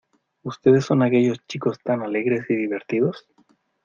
¿Ustedes son aquellos chicos tan alegres y divertidos?